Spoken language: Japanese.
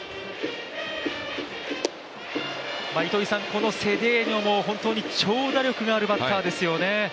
このセデーニョも本当に長打力があるバッターですよね。